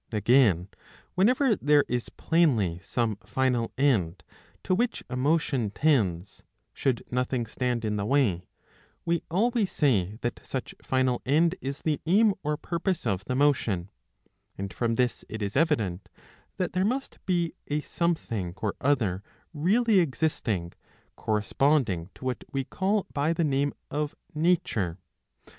^^ Again, whenever there is plainly some final end, to which a motion tends, should nothing stand in the way, we always say that such final end is the aim or purpose of the motion ; and from this it is evident that there must be a something or other really existing, corresponding to what we call by the name of Nature.